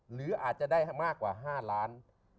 หรืออาจจะได้มากกว่า๕ล้าน